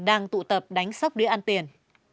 đang tụ tập đánh sóc đĩa ăn tiền